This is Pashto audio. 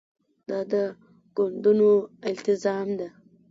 دا د ګوندونو التزام ده.